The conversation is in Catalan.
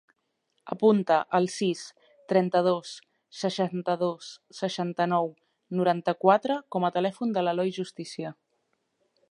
Apunta el sis, trenta-dos, seixanta-dos, seixanta-nou, noranta-quatre com a telèfon de l'Eloi Justicia.